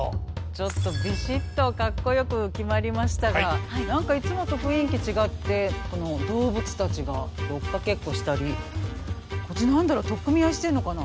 ちょっとビシッとかっこよく決まりましたが何かいつもと雰囲気違ってこの動物たちが追っかけっこしたりこっち何だろう取っ組み合いしてるのかな？